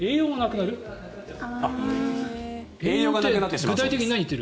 栄養がなくなる？